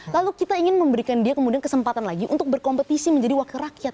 lalu kita ingin memberikan dia kemudian kesempatan lagi untuk berkompetisi menjadi wakil rakyat